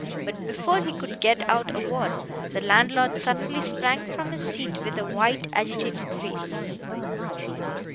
But before he could get out a word, the landlord suddenly sprang from his seat with a white, agitated face.